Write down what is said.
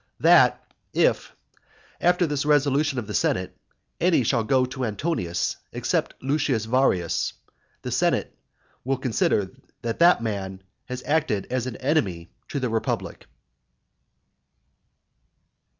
That, if, after this resolution of the senate, any one shall go to Antonius except Lucius Varius, the senate will consider that that man has acted as an enemy to the republic."